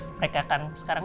mereka kan sekarang